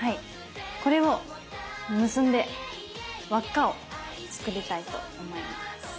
これを結んで輪っかを作りたいと思います。